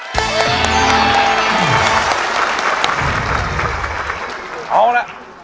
ร้อยเวลา๒หมื่นบาท